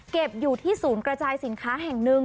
อยู่ที่ศูนย์กระจายสินค้าแห่งหนึ่ง